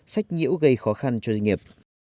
sách nhiễu gây khó khăn cho doanh nghiệp